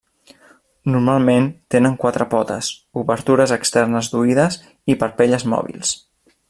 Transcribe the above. Normalment tenen quatre potes, obertures externes d'oïdes i parpelles mòbils.